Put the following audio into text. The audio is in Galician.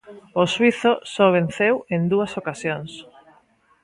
O suízo só venceu en dúas ocasións.